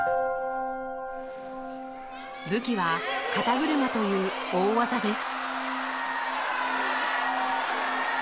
武器は肩車という大技です。